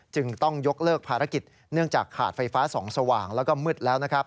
จึงต้องยกเลิกภารกิจเนื่องจากขาดไฟฟ้าส่องสว่างแล้วก็มืดแล้วนะครับ